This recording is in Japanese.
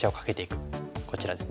こちらですね。